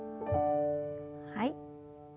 はい。